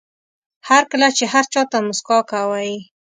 هر کله چې هر چا ته موسکا کوئ.